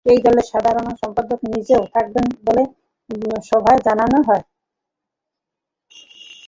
এই দলের সঙ্গে সাধারণ সম্পাদক নিজেও থাকবেন বলে সভায় জানানো হয়।